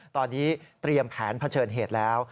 ตอนนี้เตรียมแผนเผชิญเหตุแล้ว